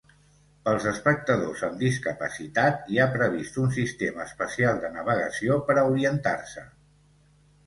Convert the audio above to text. Pels espectadors amb discapacitat hi ha previst un sistema especial de navegació per a orientar-se.